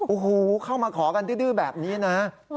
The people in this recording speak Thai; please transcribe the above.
โอ้โหเข้ามาขอกันดื้อแบบนี้นะ